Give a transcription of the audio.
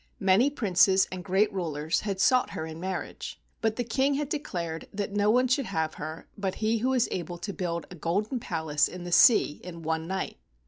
Many princes and great rulers had sought her in marriage, but the King had declared that no one should have her but he who was able to build a golden palace in the sea in one night.